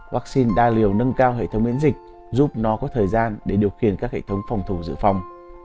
vaccine đa liều nâng cao hệ thống miễn dịch giúp nó có thời gian để điều khiển các hệ thống phòng thủ dự phòng